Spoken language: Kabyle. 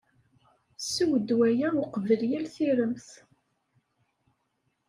Sew ddwa-a uqbel yal tiremt.